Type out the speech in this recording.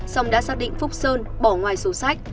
xong đã xác định phúc sơn bỏ ngoài sổ sách